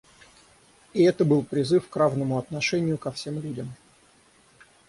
И это был призыв к равному отношению ко всем людям.